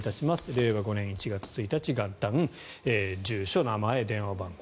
令和５年１月１日元旦住所、名前、電話番号。